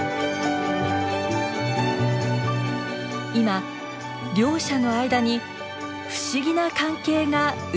今両者の間に不思議な関係が生まれています。